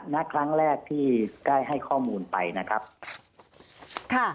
ณครั้งแรกที่ได้ให้ข้อมูลไปนะครับค่ะ